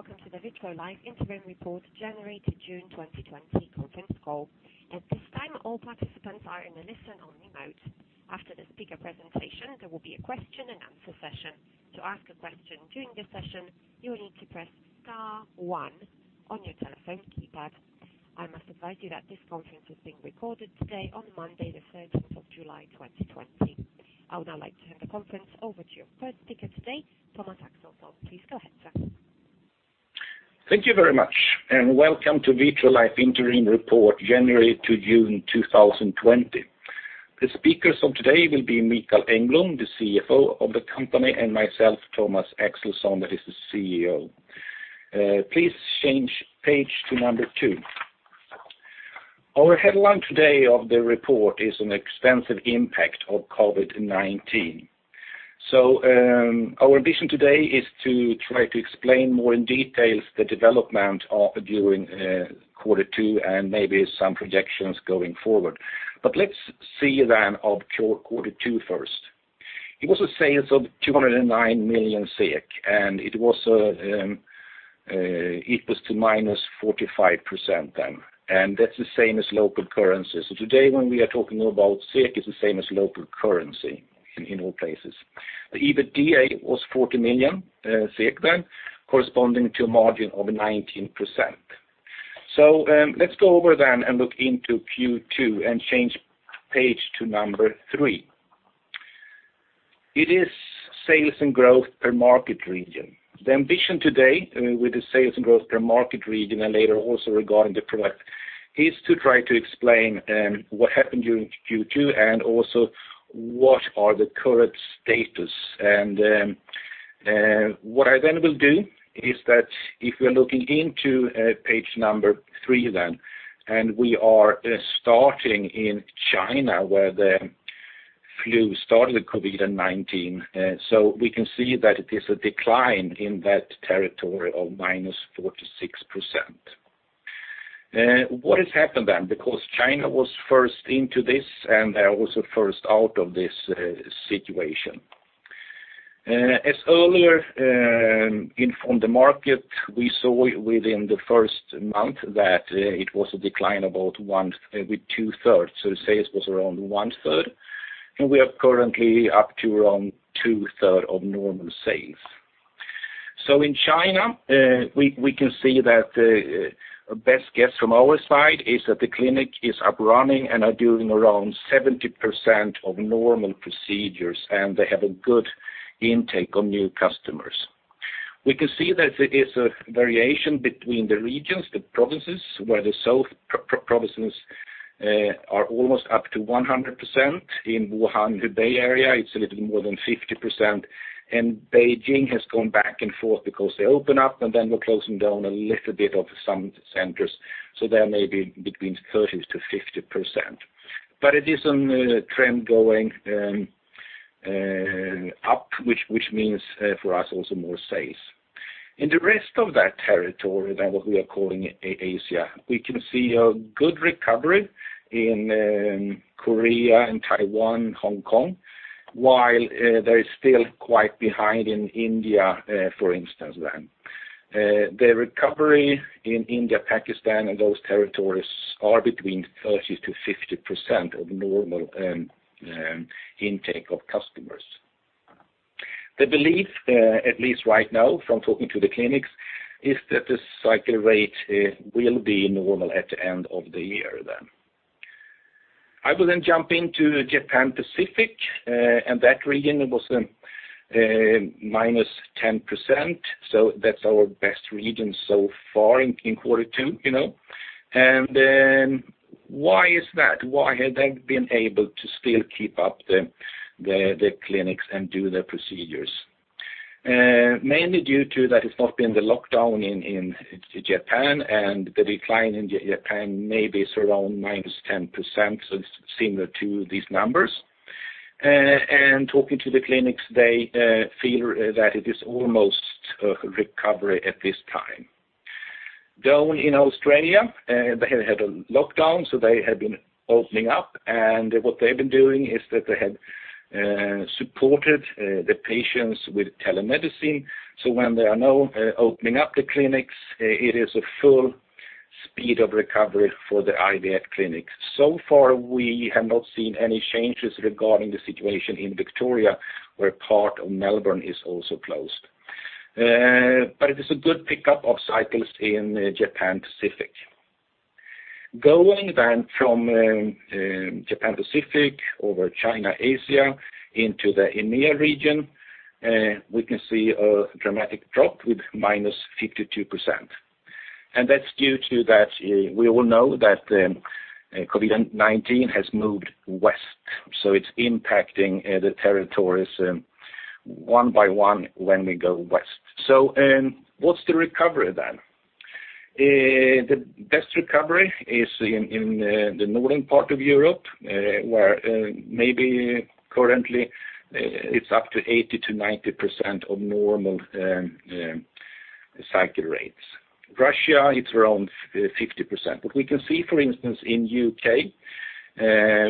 Ladies and gentlemen, thank you for standing by, and welcome to the Vitrolife interim report January to June 2020 conference call. At this time, all participants are in a listen-only mode. After the speaker presentation, there will be a question and answer session. To ask a question during the session, you will need to press star one on your telephone keypad. I must advise you that this conference is being recorded today on Monday, the 13th of July, 2020. I would now like to hand the conference over to your first speaker today, Thomas Axelsson. Please go ahead, sir. Thank you very much, and welcome to Vitrolife interim report, January to June 2020. The speakers of today will be Mikael Engblom, the CFO of the company, and myself, Thomas Axelsson, that is the CEO. Please change page to number two. Our headline today of the report is an extensive impact of COVID-19. Our mission today is to try to explain more in details the development during quarter two and maybe some projections going forward. Let's see then of quarter two first. It was a sales of 209 million SEK, and it was to -45% then, and that's the same as local currency. Today, when we are talking about SEK is the same as local currency in all places. The EBITDA was 40 million SEK then corresponding to a margin of 19%. Let's go over then and look into Q2 and change page to number three. It is sales and growth per market region. The ambition today with the sales and growth per market region and later also regarding the product is to try to explain what happened during Q2 and also what are the current status. What I then will do is that if we're looking into page number three then, we are starting in China, where the flu started, the COVID-19. We can see that it is a decline in that territory of minus 46%. What has happened then? China was first into this, and they are also first out of this situation. As earlier informed the market, we saw within the first month that it was a decline about 2/3, so sales was around 1/3, and we are currently up to around 2/3 of normal sales. In China, we can see that the best guess from our side is that the clinic is up running and are doing around 70% of normal procedures, and they have a good intake of new customers. We can see that it is a variation between the regions, the provinces, where the south provinces are almost up to 100%. In Wuhan Hubei area, it's a little more than 50%, and Beijing has gone back and forth because they open up, and then they're closing down a little bit of some centers. They are maybe between 30%-50%, but it is a trend going up, which means for us also more sales. In the rest of that territory than what we are calling Asia, we can see a good recovery in Korea and Taiwan, Hong Kong, while they're still quite behind in India, for instance then. The recovery in India, Pakistan, and those territories are between 30%-50% of normal intake of customers. The belief, at least right now from talking to the clinics, is that the cycle rate will be normal at the end of the year then. I will then jump into Japan Pacific. That region was -10%, so that's our best region so far in quarter two. Why is that? Why have they been able to still keep up the clinics and do the procedures? Mainly due to that it's not been the lockdown in Japan and the decline in Japan may be around -10%, so it's similar to these numbers. Talking to the clinics, they feel that it is almost recovery at this time. Down in Australia, they had a lockdown, so they have been opening up, and what they've been doing is that they have supported the patients with telemedicine. When they are now opening up the clinics, it is a full speed of recovery for the IVF clinics. So far, we have not seen any changes regarding the situation in Victoria, where part of Melbourne is also closed. It is a good pickup of cycles in Japan Pacific. Going then from Japan Pacific over China, Asia into the EMEA region, we can see a dramatic drop with minus 52%. That's due to that we all know that COVID-19 has moved west, so it's impacting the territories one by one when we go west. What's the recovery then? The best recovery is in the northern part of Europe, where maybe currently, it's up to 80%-90% of normal cycle rates. Russia, it's around 50%. We can see, for instance, in U.K.,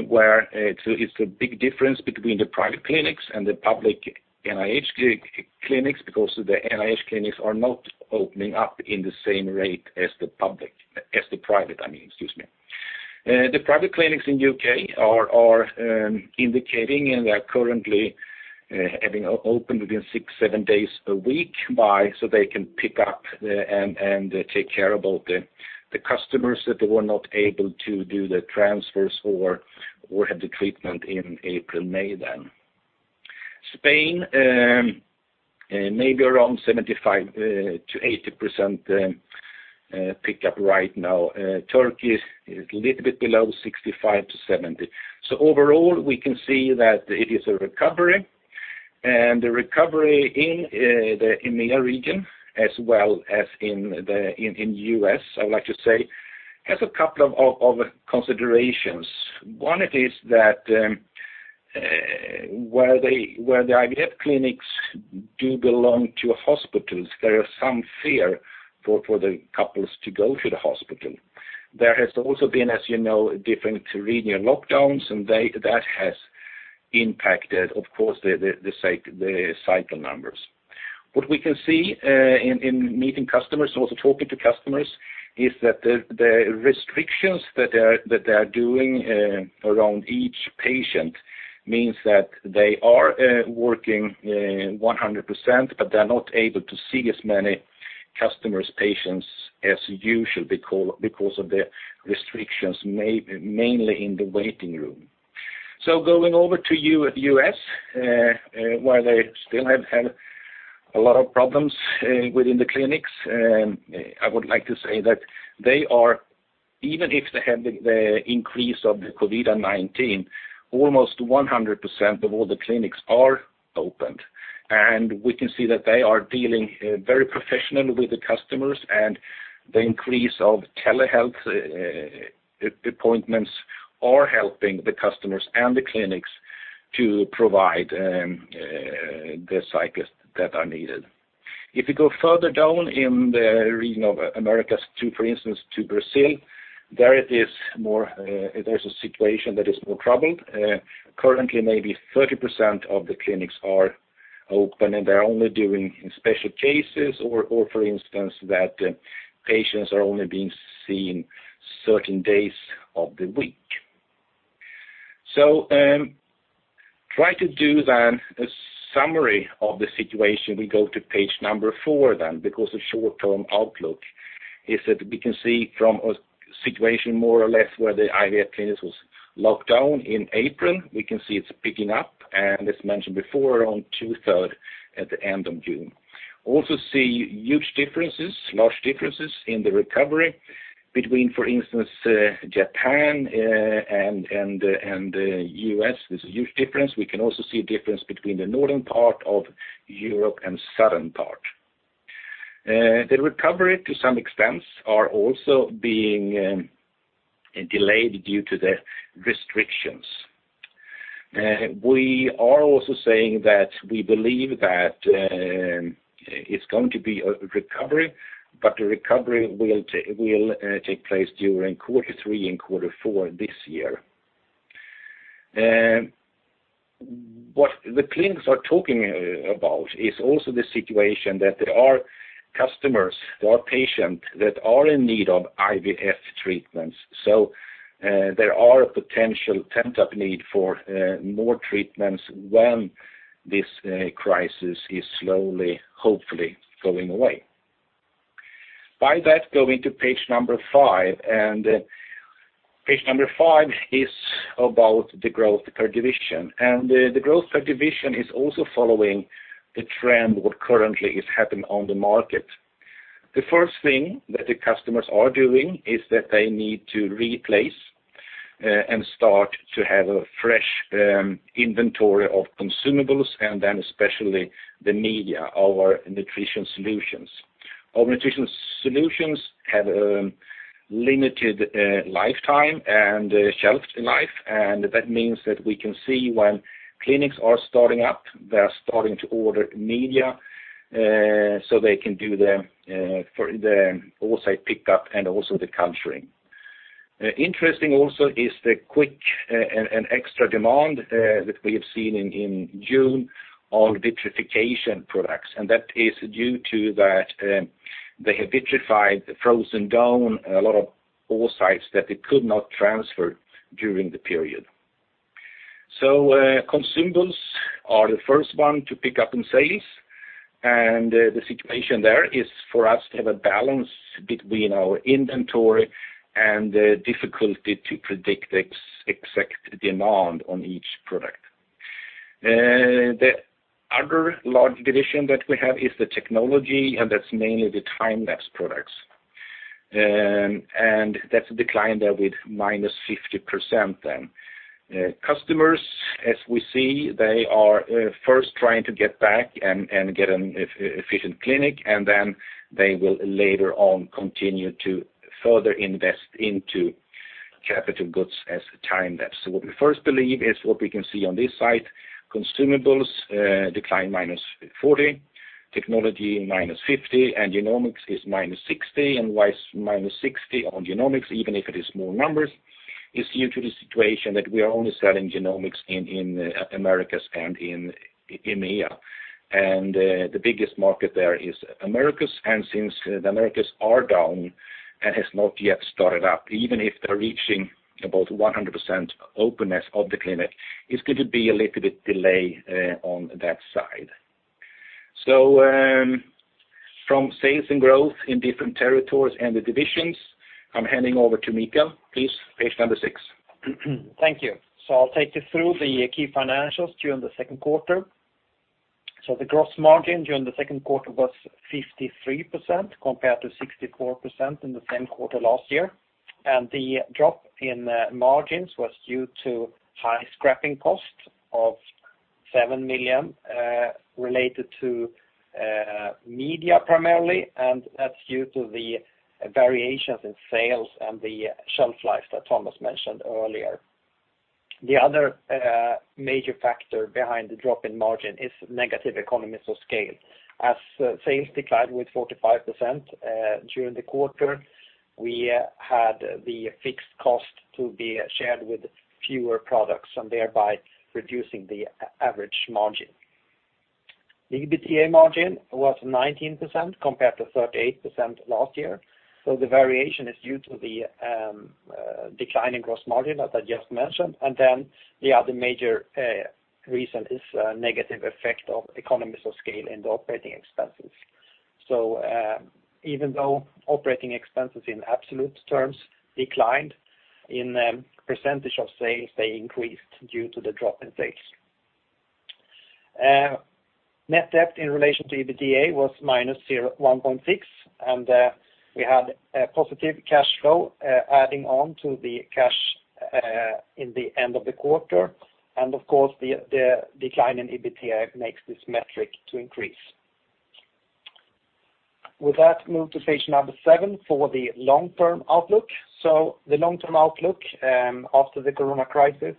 where it's a big difference between the private clinics and the public NHS clinics because the NHS clinics are not opening up in the same rate as the private. The private clinics in U.K. are indicating and they're currently having open within six, seven days a week, so they can pick up and take care of all the customers that were not able to do the transfers or had the treatment in April, May then. Spain, maybe around 75%-80% pick up right now. Turkey is a little bit below 65%-70%. Overall, we can see that it is a recovery, and the recovery in the EMEA region as well as in U.S., I would like to say, has a couple of considerations. One it is that where the IVF clinics do belong to hospitals, there are some fear for the couples to go to the hospital. There has also been, as you know, different regional lockdowns, and that has impacted, of course, the cycle numbers. What we can see in meeting customers, also talking to customers, is that the restrictions that they are doing around each patient means that they are working 100%, but they're not able to see as many customers, patients as usual because of the restrictions, mainly in the waiting room. Going over to U.S., where they still have had a lot of problems within the clinics. I would like to say that even if they had the increase of the COVID-19, almost 100% of all the clinics are opened. We can see that they are dealing very professionally with the customers and the increase of telehealth appointments are helping the customers and the clinics to provide the cycles that are needed. If you go further down in the region of Americas, for instance, to Brazil, there's a situation that is more troubled. Currently, maybe 30% of the clinics are open, and they're only doing special cases or, for instance, that patients are only being seen certain days of the week. Try to do then a summary of the situation. We go to page number four then because the short-term outlook is that we can see from a situation more or less where the IVF clinics was locked down in April. We can see it's picking up. As mentioned before, around two third at the end of June. We also see huge differences, large differences in the recovery between, for instance, Japan and U.S. There's a huge difference. We can also see a difference between the northern part of Europe and southern part. The recovery, to some extent, are also being delayed due to the restrictions. We are also saying that we believe that it's going to be a recovery. The recovery will take place during Q3 and Q4 this year. What the clinics are talking about is also the situation that there are customers or patient that are in need of IVF treatments. There are potential pent-up need for more treatments when this crisis is slowly, hopefully going away. By that, we are going to page number five. Page number five is about the growth per division. The growth per division is also following the trend what currently is happening on the market. The first thing that the customers are doing is that they need to replace and start to have a fresh inventory of consumables, and then especially the media or nutrition solutions. Our nutrition solutions have a limited lifetime and shelf life, and that means that we can see when clinics are starting up, they are starting to order media, so they can do the oocyte pickup and also the culturing. Interesting also is the quick and extra demand that we have seen in June on vitrification products, and that is due to that they have vitrified, frozen down a lot of oocytes that they could not transfer during the period. Consumables are the first one to pick up in sales, and the situation there is for us to have a balance between our inventory and the difficulty to predict exact demand on each product. The other large division that we have is the technology, and that's mainly the time-lapse products. That's a decline there with minus 50% then. Customers, as we see, they are first trying to get back and get an efficient clinic, and then they will later on continue to further invest into capital goods as time-lapse. What we first believe is what we can see on this side, consumables decline minus 40%, technology minus 50%, and genomics is minus 60%. Why is minus 60% on genomics, even if it is small numbers, is due to the situation that we are only selling genomics in Americas and in EMEA. The biggest market there is Americas, and since the Americas are down and has not yet started up, even if they're reaching about 100% openness of the clinic, it's going to be a little bit delay on that side. From sales and growth in different territories and the divisions, I'm handing over to Mikael. Please, page number 6. Thank you. I'll take you through the key financials during the second quarter. The gross margin during the second quarter was 53% compared to 64% in the same quarter last year. The drop in margins was due to high scrapping costs of 7 million SEK, related to media primarily, and that's due to the variations in sales and the shelf life that Thomas mentioned earlier. The other major factor behind the drop in margin is negative economies of scale. Sales declined with 45% during the quarter, we had the fixed cost to be shared with fewer products and thereby reducing the average margin. The EBITDA margin was 19% compared to 38% last year. The variation is due to the decline in gross margin, as I just mentioned. The other major reason is negative effect of economies of scale and operating expenses. Even though operating expenses in absolute terms declined, in percentage of sales, they increased due to the drop in sales. Net debt in relation to EBITDA was minus 1.6, and we had a positive cash flow adding on to the cash in the end of the quarter. Of course, the decline in EBITDA makes this metric to increase. With that, move to page number seven for the long-term outlook. The long-term outlook after the corona crisis,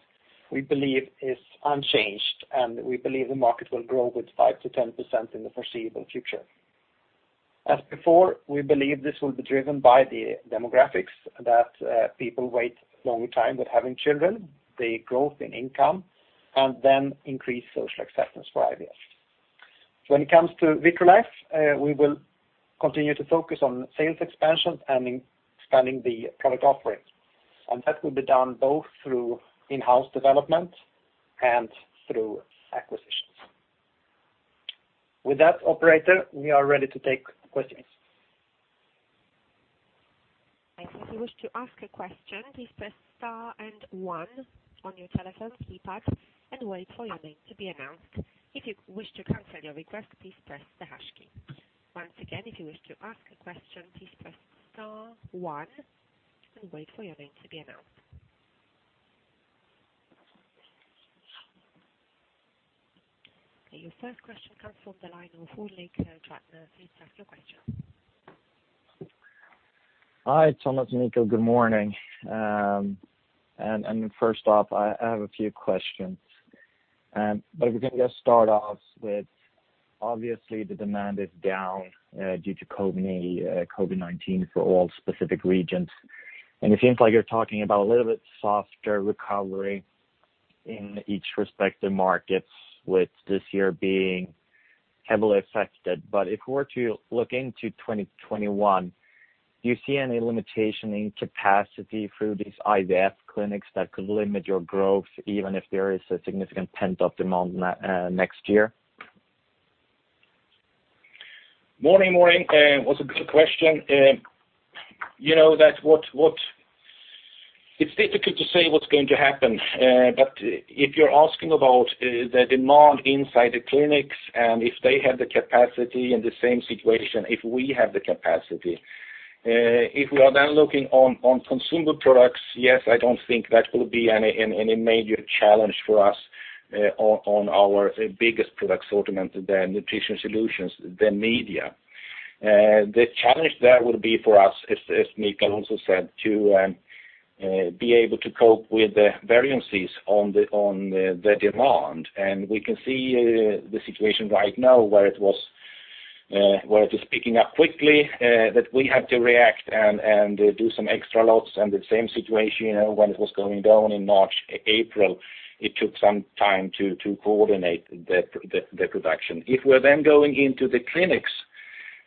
we believe is unchanged, and we believe the market will grow with 5%-10% in the foreseeable future. As before, we believe this will be driven by the demographics that people wait long time with having children, the growth in income, and increased social acceptance for IVF. When it comes to Vitrolife, we will continue to focus on sales expansion and expanding the product offerings. That will be done both through in-house development and through acquisitions. With that, operator, we are ready to take questions. If you wish to ask a question, please press star and one on your telephone keypad and wait for your name to be announced. If you wish to cancel your request, please press the hash key. Once again, if you wish to ask a question, please press star one and wait for your name to be announced. Okay, your first question comes from the line of please ask your question. Hi, Thomas and Mikael. Good morning. First off, I have a few questions. If we can just start off with, obviously, the demand is down due to COVID-19 for all specific regions. It seems like you're talking about a little bit softer recovery in each respective markets with this year being heavily affected. If we were to look into 2021, do you see any limitation in capacity through these IVF clinics that could limit your growth even if there is a significant pent-up demand next year? Morning. That's a good question. It's difficult to say what's going to happen. If you're asking about the demand inside the clinics and if they have the capacity in the same situation, if we have the capacity. If we are then looking on consumable products, yes, I don't think that will be any major challenge for us on our biggest product assortment, the nutrition solutions, the media. The challenge there will be for us, as Mikael also said, to be able to cope with the variances on the demand. We can see the situation right now where it is picking up quickly, that we have to react and do some extra lots. The same situation when it was going down in March, April, it took some time to coordinate the production. If we're going into the clinics,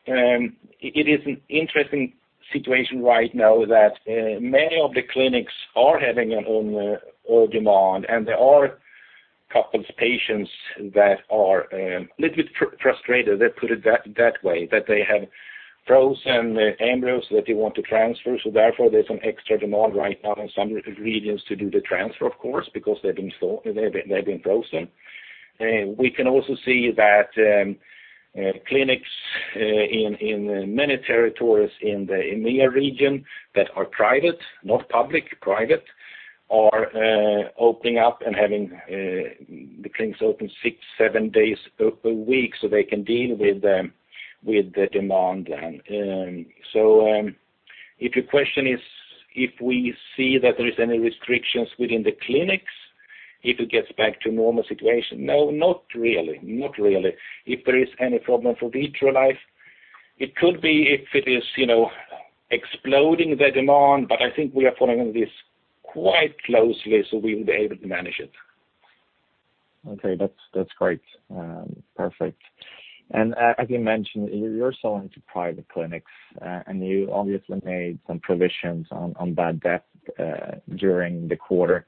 it is an interesting situation right now that many of the clinics are having an on demand, and there are couples, patients that are a little bit frustrated, let put it that way. They have frozen embryos that they want to transfer. Therefore, there's some extra demand right now on some regions to do the transfer, of course, because they've been frozen. We can also see that clinics in many territories in the EMEA region that are private, not public, private are opening up and having the clinics open six, seven days a week, so they can deal with the demand then. If your question is, if we see that there is any restrictions within the clinics, if it gets back to normal situation, no, not really. If there is any problem for Vitrolife, it could be if it is exploding the demand, but I think we are following this quite closely, so we would be able to manage it. Okay. That's great. Perfect. As you mentioned, you're selling to private clinics, and you obviously made some provisions on bad debt during the quarter.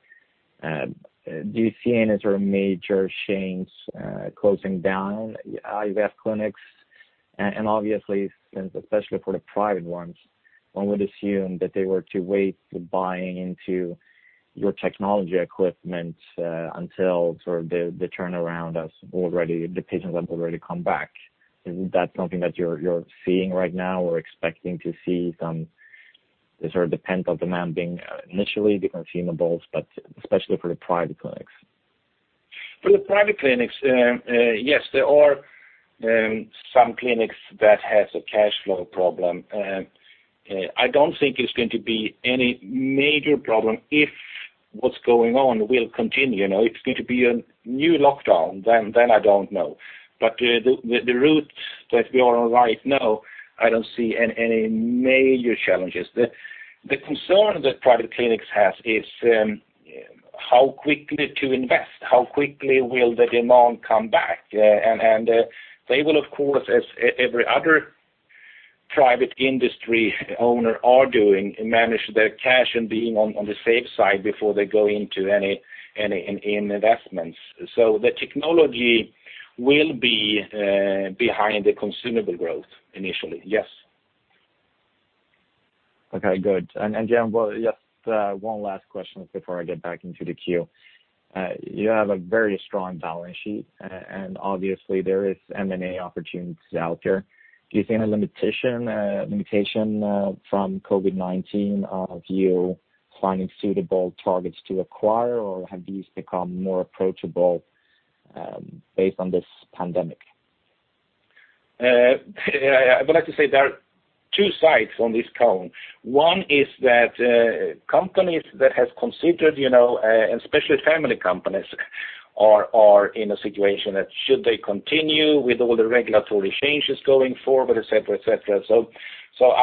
Do you see any sort of major chains closing down IVF clinics? Obviously, since especially for the private ones, one would assume that they were to wait buying into your technology equipment until the turnaround as the patients have already come back. Is that something that you're seeing right now or expecting to see some sort of dependent demand being initially the consumables, but especially for the private clinics? For the private clinics, yes, there are some clinics that has a cash flow problem. I don't think it's going to be any major problem if what's going on will continue. If it's going to be a new lockdown, I don't know. The route that we are on right now, I don't see any major challenges. The concern that private clinics have is how quickly to invest, how quickly will the demand come back. They will, of course, as every other private industry owner are doing, manage their cash and being on the safe side before they go into any investments. The technology will be behind the consumable growth initially. Yes. Okay, good, just one last question before I get back into the queue. You have a very strong balance sheet, and obviously there is M&A opportunities out there. Do you see any limitation from COVID-19 of you finding suitable targets to acquire, or have these become more approachable based on this pandemic? I would like to say there are two sides on this coin. One is that companies that have considered, especially family companies, are in a situation that should they continue with all the regulatory changes going forward, et cetera.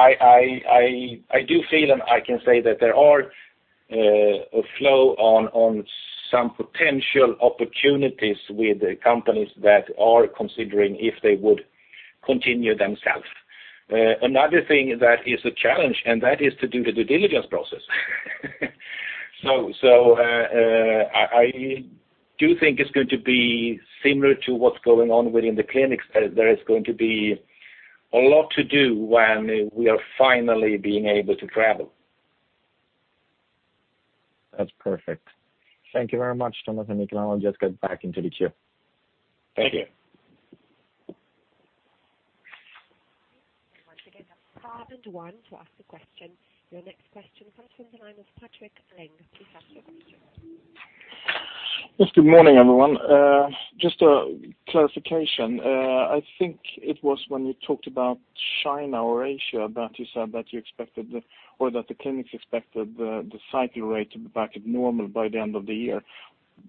I do feel, and I can say that there are a flow on some potential opportunities with companies that are considering if they would continue themselves. Another thing that is a challenge, and that is to do the due diligence process. I do think it's going to be similar to what's going on within the clinics. There is going to be a lot to do when we are finally being able to travel. That's perfect. Thank you very much, gentlemen. I will just get back into the queue. Thank you. Once again, that's star then one to ask a question. Your next question comes from the line of Patrik Ling. Please ask your question. Yes, good morning, everyone. Just a clarification. I think it was when you talked about China or Asia that you said that you expected the, or that the clinics expected the cycle rate to be back at normal by the end of the year.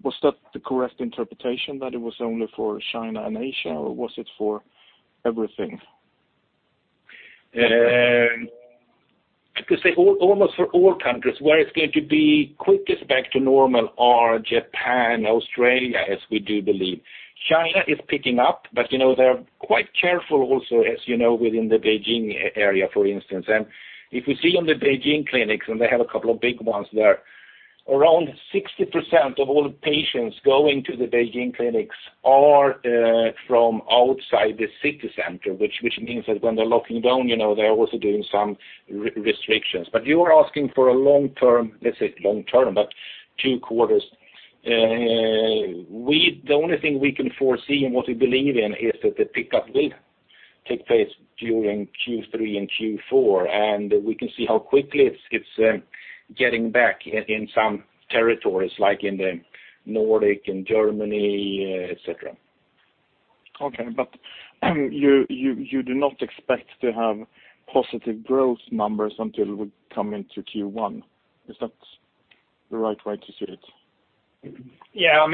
Was that the correct interpretation that it was only for China and Asia, or was it for everything? I could say almost for all countries. Where it's going to be quickest back to normal are Japan, Australia, as we do believe. China is picking up, but they're quite careful also, as you know, within the Beijing area, for instance. If you see on the Beijing clinics, and they have a couple of big ones there, around 60% of all patients going to the Beijing clinics are from outside the city center, which means that when they're locking down, they're also doing some restrictions. You are asking for a long term, let's say long term, but two quarters. The only thing we can foresee and what we believe in is that the pickup will take place during Q3 and Q4, and we can see how quickly it's getting back in some territories, like in the Nordic and Germany, et cetera. Okay. You do not expect to have positive growth numbers until we come into Q1. Is that the right way to see it? Yeah,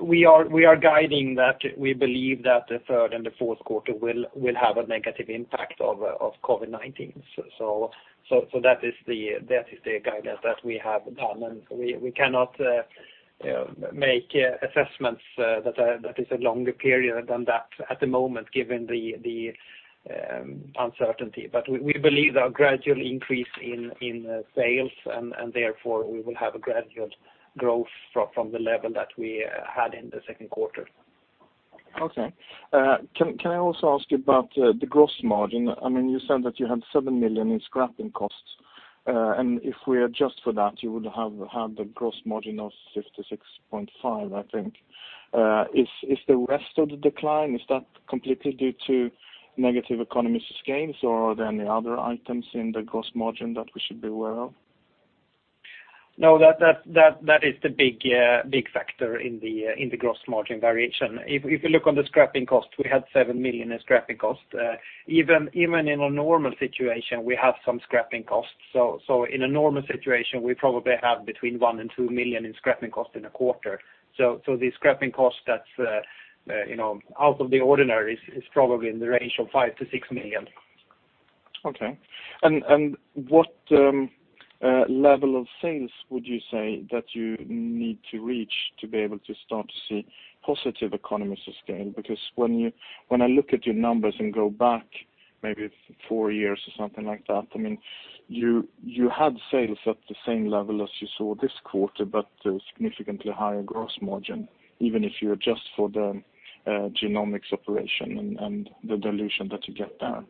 we are guiding that we believe that the third and the fourth quarter will have a negative impact of COVID-19. That is the guidance that we have done, and we cannot make assessments that is a longer period than that at the moment given the uncertainty. We believe there are gradual increase in sales, and therefore we will have a gradual growth from the level that we had in the second quarter. Okay. Can I also ask you about the gross margin? You said that you had 7 million in scrapping costs. If we adjust for that, you would have had a gross margin of 56.5%, I think. Is the rest of the decline, is that completely due to negative economies of scale, or are there any other items in the gross margin that we should be aware of? No, that is the big factor in the gross margin variation. If you look on the scrapping cost, we had 7 million in scrapping cost. Even in a normal situation, we have some scrapping costs. In a normal situation, we probably have between 1 million and 2 million in scrapping cost in a quarter. The scrapping cost that's out of the ordinary is probably in the range of 5 million-6 million. Okay. What level of sales would you say that you need to reach to be able to start to see positive economies of scale? Because when I look at your numbers and go back maybe four years or something like that, you had sales at the same level as you saw this quarter, but significantly higher gross margin, even if you adjust for the genomics operation and the dilution that you get there.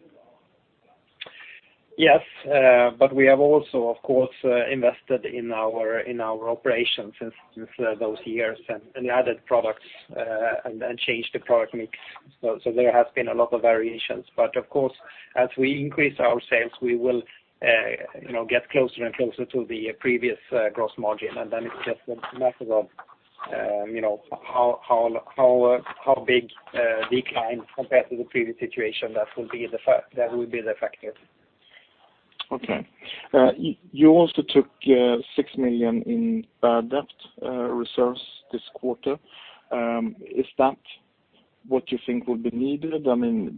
Yes. We have also, of course, invested in our operations since those years and added products and changed the product mix. There has been a lot of variations. Of course, as we increase our sales, we will get closer and closer to the previous gross margin. Then it's just a matter of how big decline compared to the previous situation that will be the factor. Okay. You also took 6 million in bad debt reserves this quarter. Is that what you think will be needed?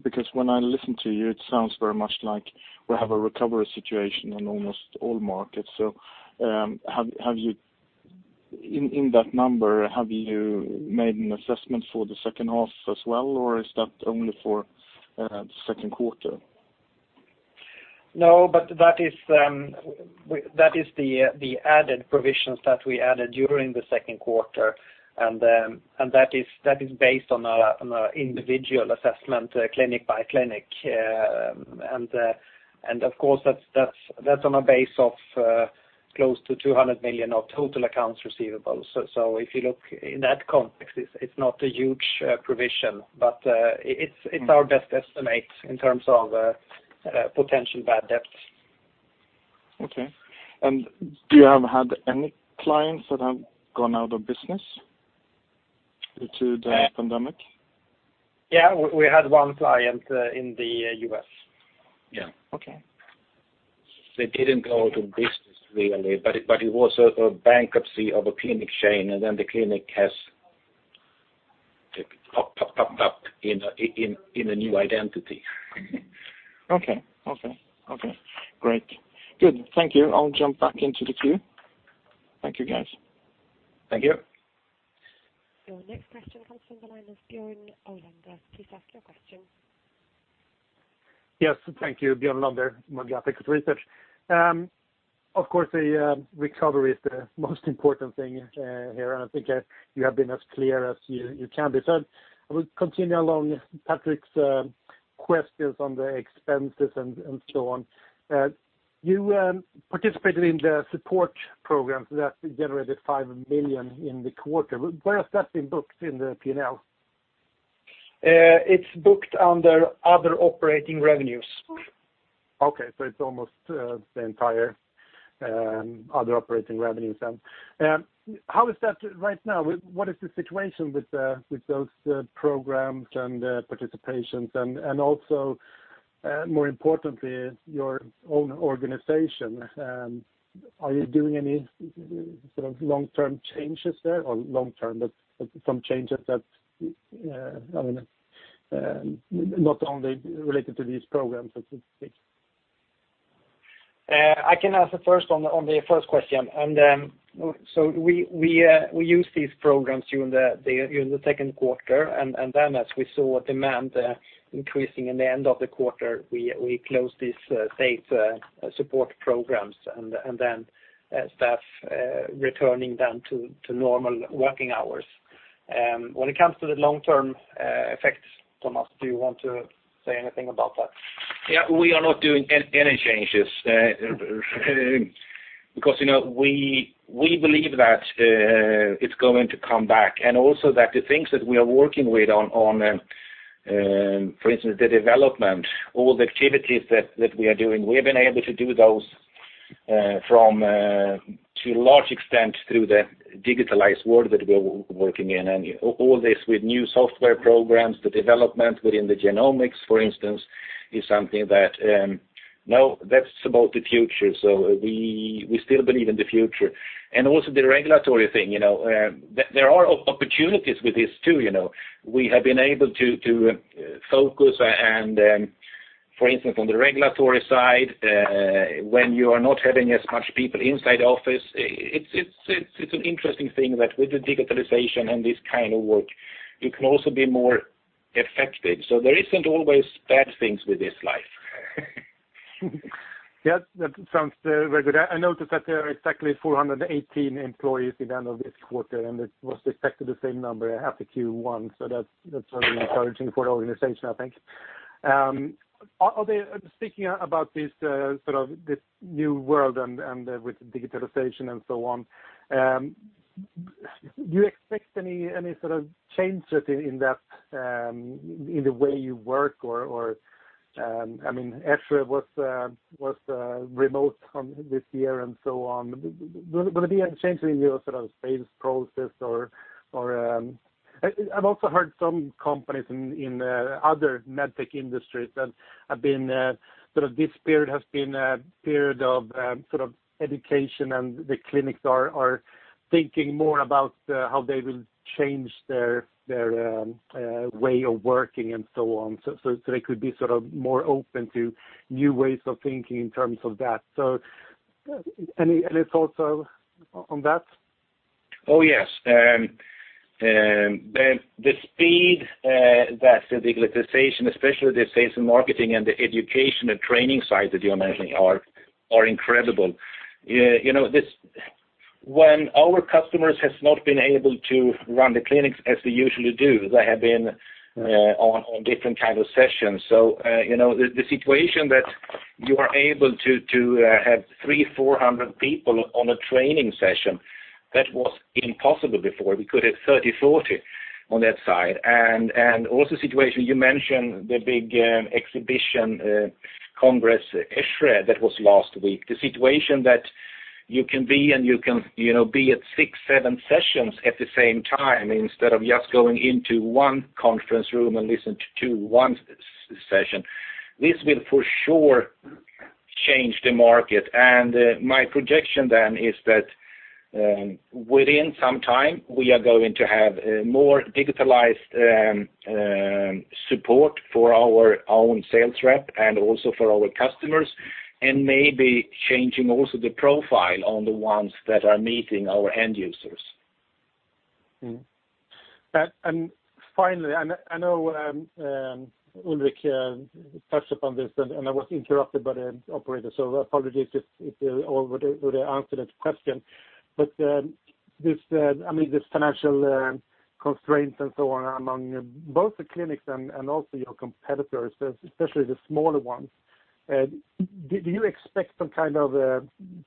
Because when I listen to you, it sounds very much like we have a recovery situation in almost all markets. In that number, have you made an assessment for the second half as well, or is that only for the second quarter? No, that is the added provisions that we added during the second quarter, and that is based on individual assessment, clinic by clinic. Of course, that's on a base of close to 200 million of total accounts receivable. If you look in that context, it's not a huge provision, but it's our best estimate in terms of potential bad debts. Okay. Have you had any clients that have gone out of business due to the pandemic? Yeah, we had one client in the U.S. Yeah. Okay. They didn't go out of business, really, but it was a bankruptcy of a clinic chain, and then the clinic has popped up in a new identity. Okay. Great. Good. Thank you. I'll jump back into the queue. Thank you, guys. Thank you. Your next question comes from the line of Björn Olander. Please ask your question. Yes, thank you, Björn Olander, Murgata Equity Research. Of course, the recovery is the most important thing here, and I think you have been as clear as you can be. I will continue along Patrik's questions on the expenses and so on. You participated in the support programs that generated 5 million in the quarter. Where has that been booked in the P&L? It's booked under other operating revenues. Okay, it's almost the entire other operating revenues then. How is that right now? What is the situation with those programs and participations and also more importantly, your own organization? Are you doing any sort of long-term changes there, or some changes that, not only related to these programs as it is? I can answer first on the first question. We used these programs during the second quarter, and then as we saw demand increasing in the end of the quarter, we closed these state support programs, and then staff returning then to normal working hours. When it comes to the long-term effects, Thomas, do you want to say anything about that? Yeah, we are not doing any changes. We believe that it's going to come back, and also that the things that we are working with on, for instance, the development, all the activities that we are doing, we have been able to do those to a large extent through the digitalized world that we're working in. All this with new software programs, the development within the genomics, for instance, is something that's about the future. We still believe in the future. Also the regulatory thing, there are opportunities with this too. We have been able to focus and, for instance, on the regulatory side, when you are not having as much people inside office, it's an interesting thing that with the digitalization and this kind of work, you can also be more effective. There isn't always bad things with this life. Yes, that sounds very good. I noticed that there are exactly 418 employees at the end of this quarter, and it was expected the same number half the Q1, so that's very encouraging for the organization, I think. Speaking about this new world and with digitalization and so on, do you expect any changes in the way you work? I mean, ESHRE was remote this year and so on. Will there be any changes in your sales process? I've also heard some companies in other med tech industries that this period has been a period of education, and the clinics are thinking more about how they will change their way of working and so on. They could be more open to new ways of thinking in terms of that. Any thoughts on that? Oh, yes. The speed that the digitalization, especially the sales and marketing and the education and training side that you're mentioning, are incredible. When our customers have not been able to run the clinics as they usually do, they have been on different kinds of sessions. The situation that you are able to have 300 or 400 people on a training session, that was impossible before. We could have 30, 40 on that side. Also the situation you mentioned, the big exhibition congress, ESHRE, that was last week. The situation that you can be at six, seven sessions at the same time instead of just going into one conference room and listen to one session. This will for sure change the market. My projection then is that within some time, we are going to have more digitalized support for our own sales rep and also for our customers, and maybe changing also the profile on the ones that are meeting our end users. Finally, I know Ulrik touched upon this, and I was interrupted by the operator, so apologies if you already answered this question. These financial constraints and so on among both the clinics and also your competitors, especially the smaller ones. Do you expect some kind of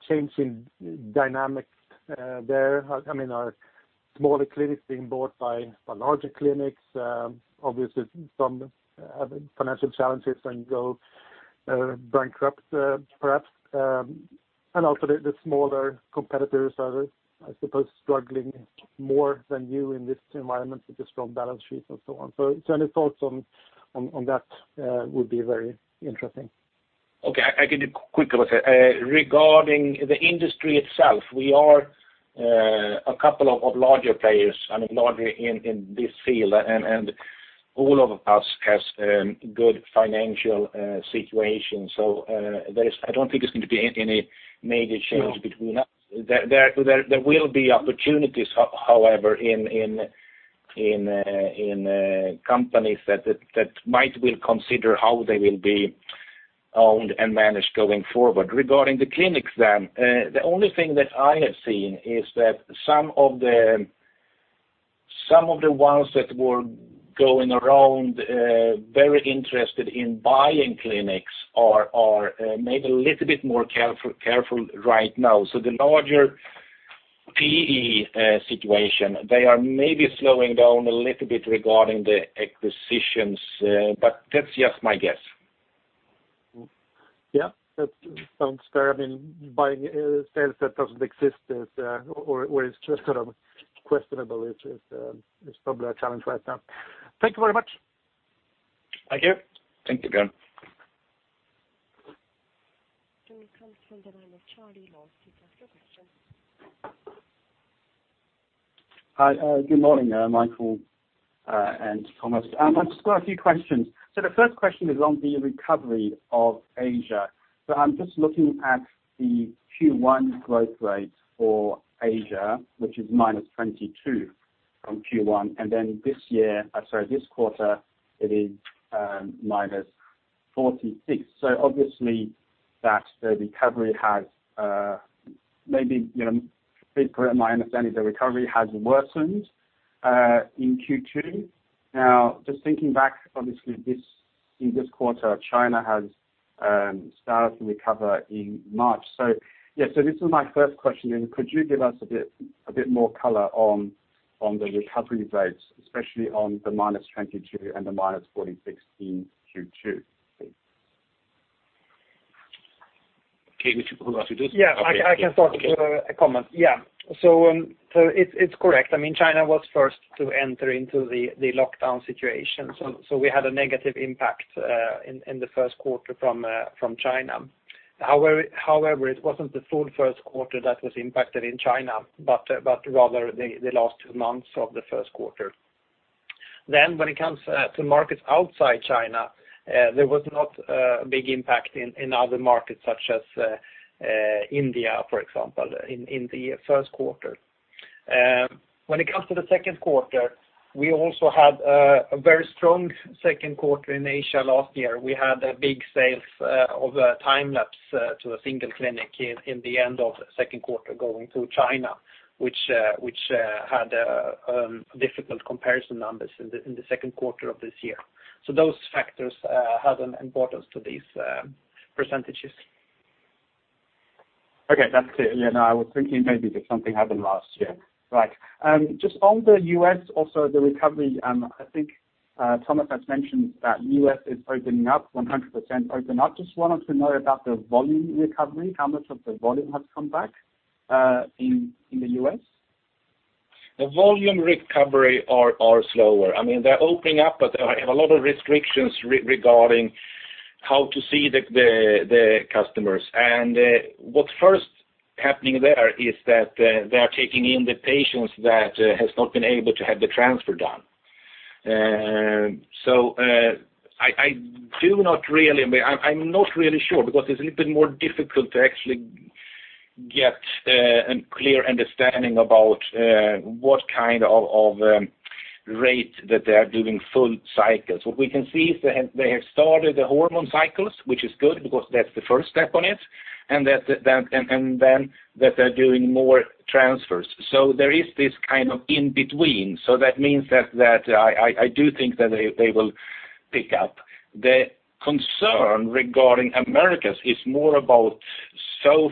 change in dynamics there? Are smaller clinics being bought by larger clinics? Obviously, some are having financial challenges and go bankrupt, perhaps. Also, the smaller competitors are, I suppose, struggling more than you in this environment with the strong balance sheets and so on. Any thoughts on that would be very interesting. Okay. I can quickly say. Regarding the industry itself, we are a couple of larger players, larger in this field, and all of us have good financial situations. I don't think there's going to be any major change between us. There will be opportunities, however, in companies that might well consider how they will be owned and managed going forward. Regarding the clinics, the only thing that I have seen is that some of the ones that were going around very interested in buying clinics are maybe a little bit more careful right now. The larger PE situation, they are maybe slowing down a little bit regarding the acquisitions. That's just my guess. Yeah. That sounds fair. Buying sales that doesn't exist or is just sort of questionable is probably a challenge right now. Thank you very much. Thank you. Thank you again. Call comes from the line of Charlie Law to ask a question. Hi. Good morning, Mikael and Thomas. I've just got a few questions. The first question is on the recovery of Asia. I'm just looking at the Q1 growth rate for Asia, which is -22% from Q1. This quarter, it is -46%. Obviously, my understanding is the recovery has worsened in Q2. Just thinking back, obviously in this quarter, China has started to recover in March. This is my first question then. Could you give us a bit more color on the recovery rates, especially on the -22% and the -46% in Q2 please? Okay. Who wants to do this? I can start with a comment. It's correct. China was first to enter into the lockdown situation, so we had a negative impact in the first quarter from China. However, it wasn't the full first quarter that was impacted in China, but rather the last months of the first quarter. When it comes to markets outside China, there was not a big impact in other markets such as India, for example, in the first quarter. When it comes to the second quarter, we also had a very strong second quarter in Asia last year. We had a big sale of time-lapse to a single clinic in the end of the second quarter going to China, which had difficult comparison numbers in the second quarter of this year. Those factors have an importance to these percentages. Okay, that's clear. I was thinking maybe that something happened last year. Right. Just on the U.S., also the recovery, I think Thomas has mentioned that U.S. is opening up, 100% open up. Just wanted to know about the volume recovery. How much of the volume has come back in the U.S.? The volume recovery are slower. They're opening up, they have a lot of restrictions regarding how to see the customers. What first happening there is that they are taking in the patients that has not been able to have the transfer done. I'm not really sure because it's a little bit more difficult to actually get a clear understanding about what kind of rate that they are doing full cycles. What we can see is they have started the hormone cycles, which is good because that's the first step on it, and then that they're doing more transfers. There is this kind of in-between. That means that I do think that they will pick up. The concern regarding Americas is more about South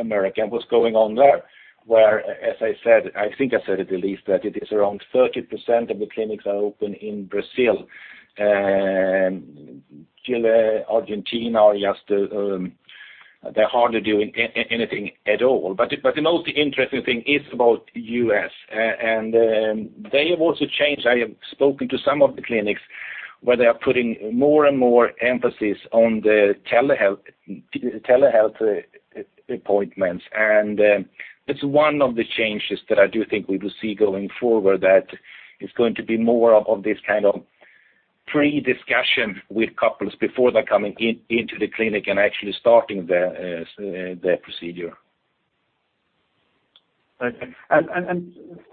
America and what's going on there, where, as I said, I think I said it at least, that it is around 30% of the clinics are open in Brazil. Chile, Argentina are just, they're hardly doing anything at all. The most interesting thing is about U.S., and they have also changed. I have spoken to some of the clinics where they are putting more and more emphasis on the telehealth appointments. It's one of the changes that I do think we will see going forward, that it's going to be more of this kind of pre-discussion with couples before they're coming into the clinic and actually starting their procedure. Okay.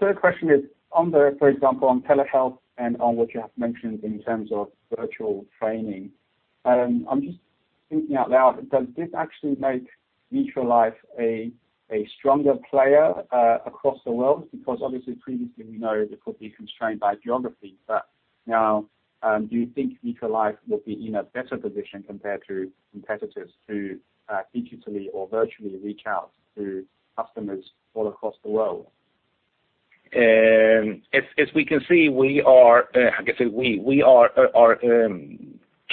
Third question is on the, for example, on telehealth and on what you have mentioned in terms of virtual training. I'm just thinking out loud, does this actually make Vitrolife a stronger player across the world? Because obviously previously we know they could be constrained by geography, but now do you think Vitrolife will be in a better position compared to competitors to digitally or virtually reach out to customers all across the world? As we can see, we are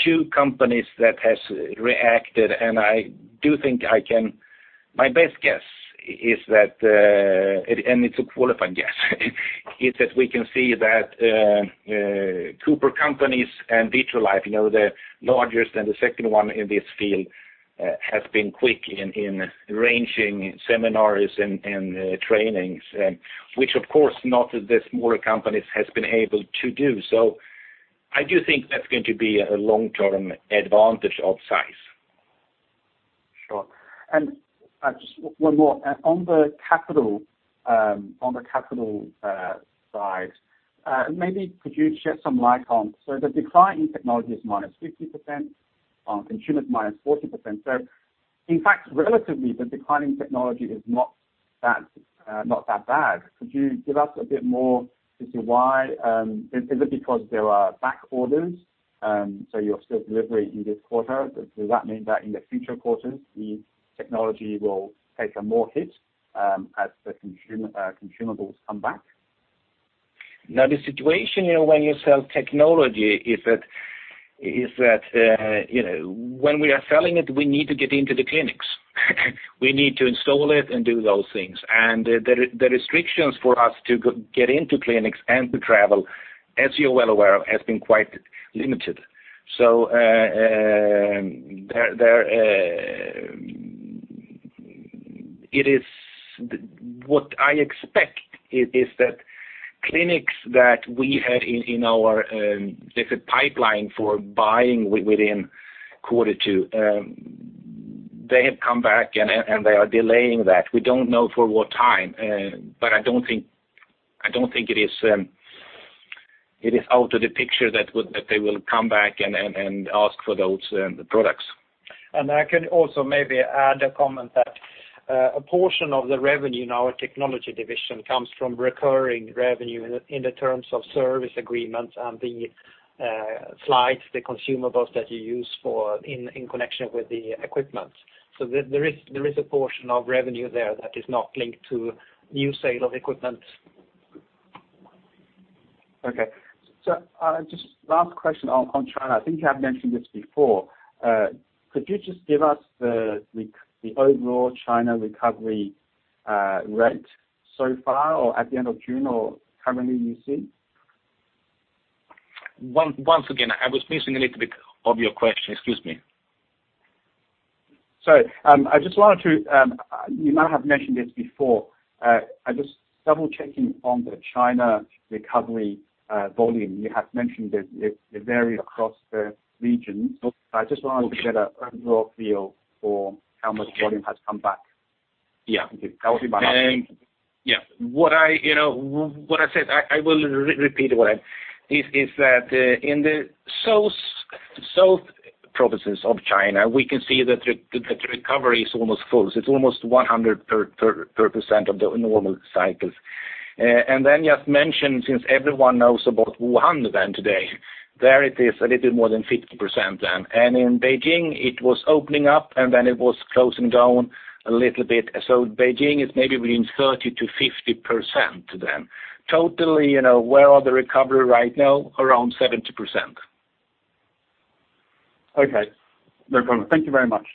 two companies that has reacted, and my best guess, and it's a qualified guess, is that we can see that CooperSurgical and Vitrolife, the largest and the second one in this field, has been quick in arranging seminars and trainings, which, of course, not the smaller companies has been able to do. I do think that's going to be a long-term advantage of size. Sure. Just one more. On the capital side, maybe could you shed some light on, the decline in technology is -50%, on consumables -40%. In fact, relatively, the decline in technology is not that bad. Could you give us a bit more as to why? Is it because there are back orders, you're still delivering in this quarter? Does that mean that in the future quarters, the technology will take a more hit as the consumables come back? The situation when you sell technology is that when we are selling it, we need to get into the clinics. We need to install it and do those things. The restrictions for us to get into clinics and to travel, as you're well aware, has been quite limited. What I expect is that clinics that we had in our different pipeline for buying within quarter two, they have come back, and they are delaying that. We don't know for what time, but I don't think it is out of the picture that they will come back and ask for those products. I can also maybe add a comment that a portion of the revenue in our technology division comes from recurring revenue in the terms of service agreements and the slides, the consumables that you use in connection with the equipment. There is a portion of revenue there that is not linked to new sale of equipment. Okay. Just last question on China. I think you have mentioned this before. Could you just give us the overall China recovery rate so far or at the end of June, or currently you see? Once again, I was missing a little bit of your question, excuse me. Sorry. You might have mentioned this before. I'm just double-checking on the China recovery volume. You have mentioned it varies across the regions. I just wanted to get an overall feel for how much volume has come back. Yeah. That would be my last question. Yeah. What I said, I will repeat what I said, is that in the south provinces of China, we can see that the recovery is almost full. It's almost 100% of the normal cycles. Just mention, since everyone knows about Wuhan today, there it is a little more than 50% then. In Beijing it was opening up, and then it was closing down a little bit. Beijing is maybe within 30%-50% then. Totally, where are the recovery right now? Around 70%. Okay. No problem. Thank you very much.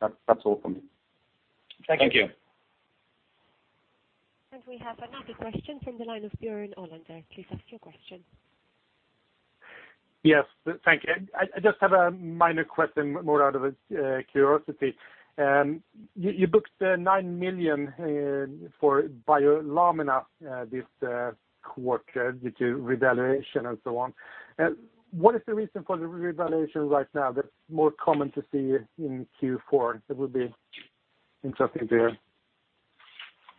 That's all from me. Thank you. Thank you. We have another question from the line of Björn Olander. Please ask your question. Yes. Thank you. I just have a minor question, more out of curiosity. You booked 9 million for BioLamina this quarter due to revaluation and so on. What is the reason for the revaluation right now that is more common to see in Q4? It would be interesting to hear.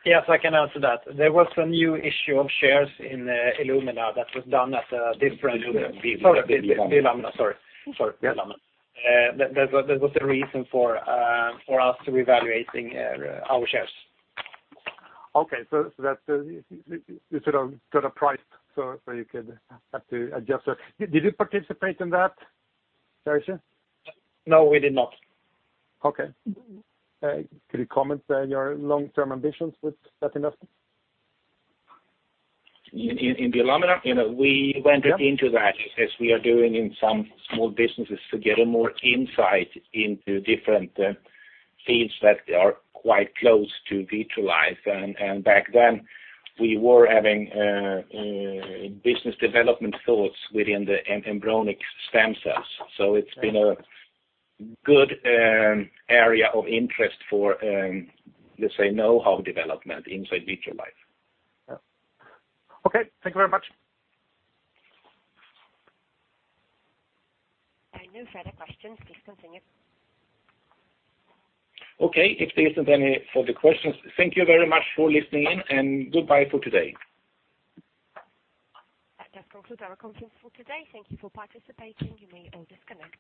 Yes, I can answer that. There was a new issue of shares in Illumina that was done at a different- Illumina. Sorry. BioLamina, sorry. Sorry. Yeah. That was the reason for us revaluating our shares. Okay. You sort of got a price, so you could have to adjust it. Did you participate in that? No, we did not. Okay. Could you comment on your long-term ambitions with that investment? In BioLamina? Yeah. We went into that as we are doing in some small businesses to get more insight into different fields that are quite close to Vitrolife. Back then we were having business development thoughts within the embryonic stem cells. It's been a good area of interest for, let's say, knowhow development inside Vitrolife. Okay. Thank you very much. No further questions. Please continue. Okay. If there isn't any further questions, thank you very much for listening in, and goodbye for today. That does conclude our conference call today. Thank you for participating. You may all disconnect.